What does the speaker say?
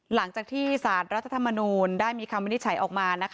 หลังจากที่สารรัฐธรรมนูลได้มีคำวินิจฉัยออกมา